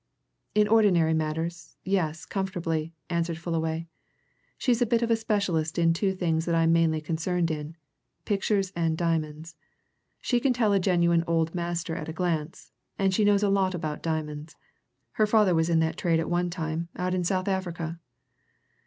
"In ordinary matters, yes comfortably," answered Fullaway. "She's a bit a specialist in two things that I'm mainly concerned in pictures and diamonds. She can tell a genuine Old Master at a glance, and she knows a lot about diamonds her father was in that trade at one time, out in South Africa."